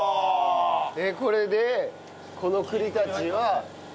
これでこの栗たちは。